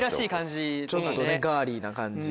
ちょっとねガーリーな感じ。